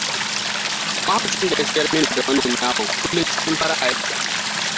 Mahaucin da ya sayar mini da wannan naman kullum cikin faraʻa yake.